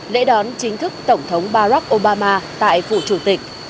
lễ đón chính thức tổng thống barack obama tại phủ chủ tịch